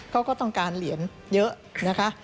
เขาก็ต้องการเหรียญเยอะนะคะ